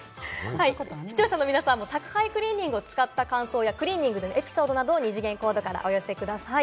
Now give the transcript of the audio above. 視聴者の皆さんは宅配クリーニングを使った感想やクリーニングでのエピソードなどを二次元コードからお寄せください。